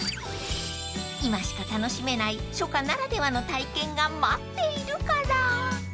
［今しか楽しめない初夏ならではの体験が待っているから］